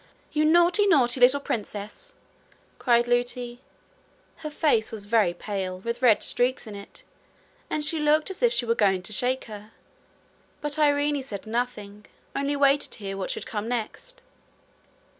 'You naughty, naughty little princess!' cried Lootie. Her face was very pale, with red streaks in it, and she looked as if she were going to shake her; but Irene said nothing only waited to hear what should come next.